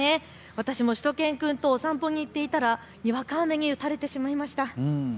私もしゅと犬くんとお散歩に行っていたらにわか雨に打たれてしまいました。